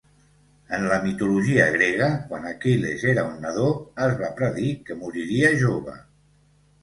En la mitologia grega, quan Aquil·les era un nadó, es va predir que moriria jove.